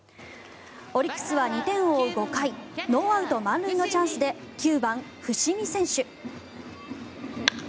オリックスは２点を追う５回ノーアウト満塁のチャンスで９番、伏見選手。